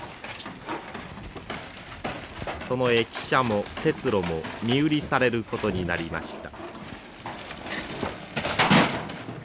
その駅舎も鉄路も身売りされることになりました。